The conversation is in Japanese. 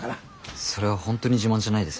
それは本当に自慢じゃないですね。